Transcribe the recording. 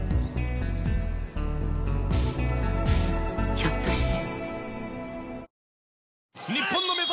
ひょっとして。